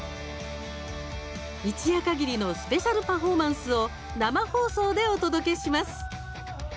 一夜限りのスペシャルパフォーマンスを生放送でお届けします。